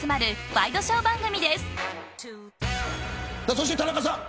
そして田中さん。